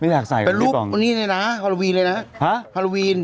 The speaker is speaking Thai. ไม่อยากใส่กันนี่เป็นรูปวันนี้เลยนะฮัลโลวีนเลยนะฮะฮัลโลวีน